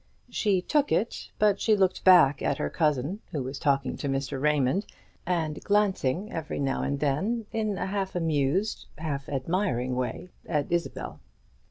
She took it, but she looked back at her cousin, who was talking to Mr. Raymond, and glancing every now and then in a half amused, half admiring way at Isabel.